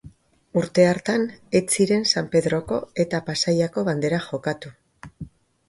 Urte hartan ez ziren San Pedroko eta Pasaiako Banderak jokatu.